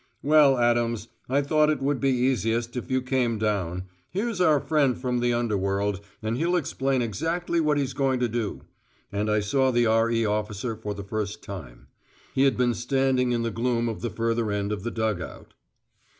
"Well, Adams, I thought it would be easiest if you came down. Here's our friend from the underworld, and he'll explain exactly what he's going to do"; and I saw the R.E. officer for the first time. He had been standing in the gloom of the further end of the dug out.